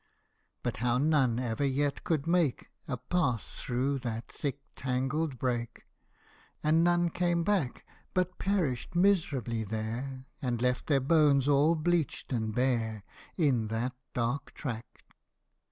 But how none ever yet could make A path through that thick tangled brake And none came back, But perished miserably there, And left their bones all bleached and bare In that dark track